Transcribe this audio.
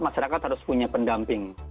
masyarakat harus punya pendamping